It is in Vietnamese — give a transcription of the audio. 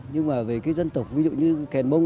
nhưng mà về cái dân tộc ví dụ như khen mong